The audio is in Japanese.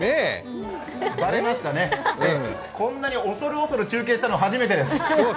バレましたね、こんなに恐る恐る中継したのは初めてです。